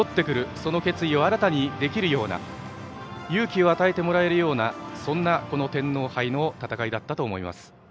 その決意を新たにできるような勇気を与えてもらえるような天皇杯の戦いだったと思います。